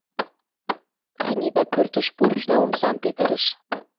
Анита пӧртыш пурыш да омсам петырыш.